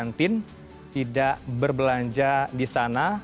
berada di kantin tidak berbelanja di sana